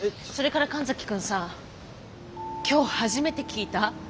それから神崎君さ今日初めて聞いた？